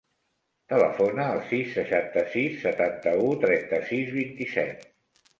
Telefona al sis, seixanta-sis, setanta-u, trenta-sis, vint-i-set.